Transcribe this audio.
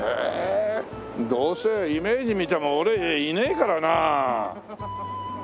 えどうせイメージ見ても俺いねえからなあ。